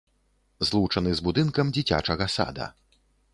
Злучаны з будынкам дзіцячага сада.